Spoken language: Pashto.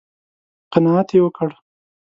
_قناعت يې وکړ؟